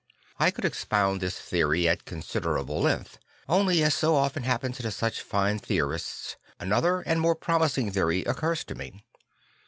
I could expound this theory at con siderable length; only, as so often happens to such fine theorists, another and more promising theory occurs to me.